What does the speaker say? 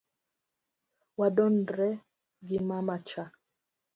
Wadondore gi mama cha.